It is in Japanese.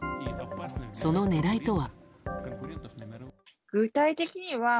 その狙いとは。